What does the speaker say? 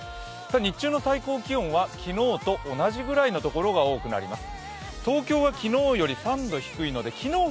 日中の最高気温は昨日と同じくらいの所が多くなります。